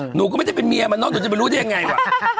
หนูก็ไม่ได้เป็นเมียมันเนอะหนูจะไปรู้ได้ยังไงว่ะ